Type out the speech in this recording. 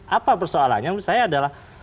apa persoalannya menurut saya adalah